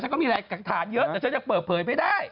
หลักฐานเยอะแต่ฉันจะเปิดเผยไปได้